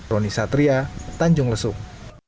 rony satria tanjung lesung